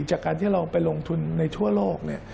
จากการที่เราไปลงทุนในทั่วโลกเนี่ย